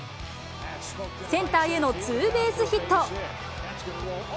センターへのツーベースヒット。